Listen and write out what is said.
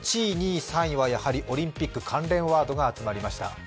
１位、２位、３位はやはりオリンピック関連ワードが集まりました。